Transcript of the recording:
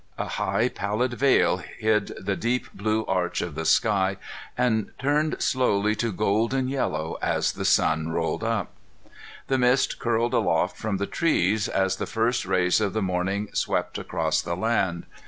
A high pallid veil hid the deep blue arch of the night, and turned slowly to golden yellow as the sun rolled up. The mist curled aloft from the treetops as the first rays of the morning swept across the land.